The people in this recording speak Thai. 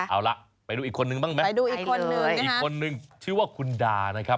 เอาล่ะไปดูอีกคนนึงบ้างไหมอีกคนนึงชื่อว่าคุณดานะครับ